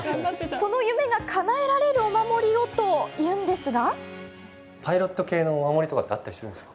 その夢がかなえられるお守りをというんですが。